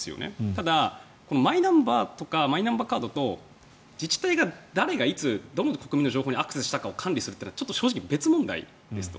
ただマイナンバーとかマイナンバーカードと自治体が誰がいつどの国民の情報にアクセスしたか管理するのは別問題ですと。